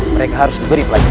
mereka harus beri pelajaran